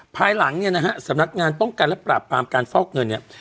ภายหลังเนี่ยนะฮะสำนักงานป้องกันและปราบปรามการฟอกเงินเนี่ย